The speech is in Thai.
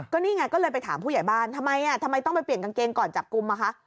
ก็นี่ไงก็เลยไปถามผู้ใหญ่บ้านทำไมทำไมต้องไปเปลี่ยนกางเกงก่อนจับกลุ่มอ่ะคะ